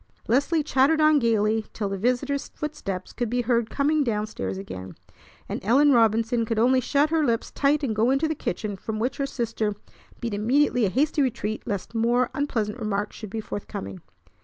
Leslie chattered on gayly till the visitor's footsteps could be heard coming down stairs again, and Ellen Robinson could only shut her lips tight and go into the kitchen, from which her sister beat immediately a hasty retreat lest more unpleasant remarks should be forthcoming.